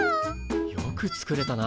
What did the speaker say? よく作れたな。